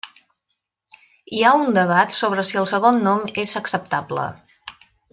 Hi ha un debat sobre si el segon nom és acceptable.